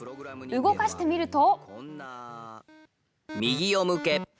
動かしてみると。